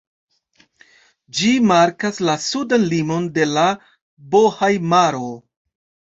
Ĝi markas la sudan limon de la Bohaj-maro.